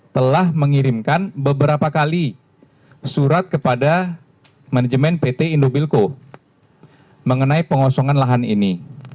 telah mengirimkan beberapa kali surat kepada manajemen pt indobilco mengenai pengosongan lahan ini